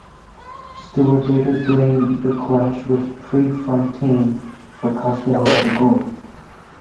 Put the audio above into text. Stewart later blamed the clash with Prefontaine for costing him the gold.